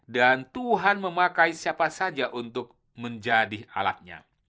dan tuhan memakai siapa saja untuk menjadi alatnya